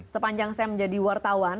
sepanjang saya menjadi wartawan